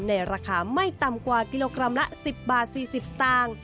ในราคาไม่ต่ำกว่ากิโลกรัมละ๑๐๔๐บาท